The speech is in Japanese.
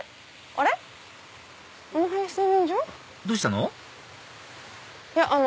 どうしたの？